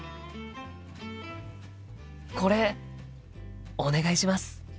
これお願いします。